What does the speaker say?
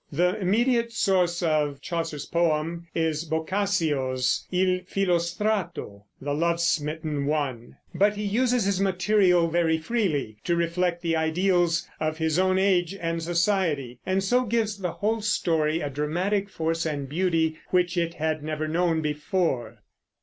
The immediate source of Chaucer's poem is Boccaccio's Il Filostrato, "the love smitten one"; but he uses his material very freely, to reflect the ideals of his own age and society, and so gives to the whole story a dramatic force and beauty which it had never known before.